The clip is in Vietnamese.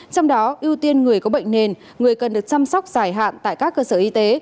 trong đó ưu tiên người có bệnh nền người cần được chăm sóc dài hạn tại các cơ sở y tế